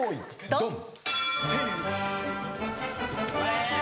ドン！